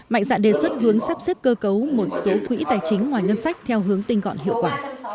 mạnh dạng đề xuất hướng sắp xếp cơ cấu một số quỹ tài chính ngoài ngân sách theo hướng tinh gọn hiệu quả